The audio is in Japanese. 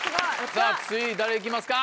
さぁ次誰いきますか？